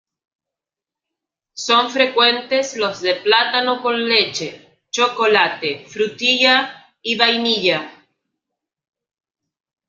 Son frecuentes los de plátano con leche, chocolate, frutilla y vainilla.